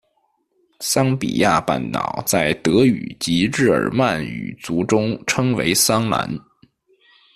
桑比亚半岛在德语及日耳曼语族中称为桑兰。